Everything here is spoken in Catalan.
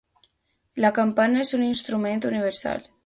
La campana és un instrument universal.